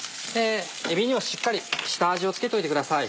えびにはしっかり下味を付けといてください。